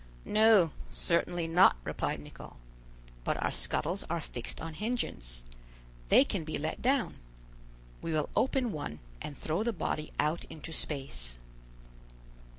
"No! certainly not," replied Nicholl; "but our scuttles are fixed on hinges; they can be let down. We will open one, and throw the body out into space."